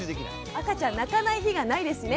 赤ちゃん泣かない日がないですね。